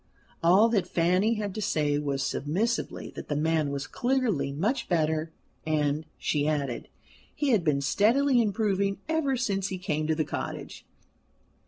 All that Fanny had to say was, submissively, that the man was clearly much better; and, she added, he had been steadily improving ever since he came to the cottage.